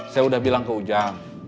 saya udah bilang ke ujang